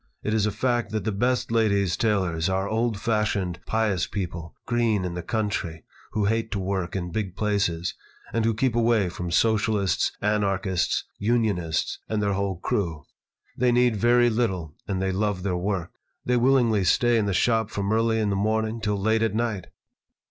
It is a fact that the best ladies' tailors are old fashioned, pious people, green in the country, who hate to work in big places, and who keep away from Socialists, anarchists, unionists, and their whole crew. They need very little, and they love their work. They willingly stay in the shop from early in the morning till late at night."